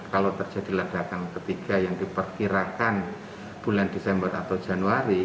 kalau terjadi ledakan ketiga yang diperkirakan bulan desember atau januari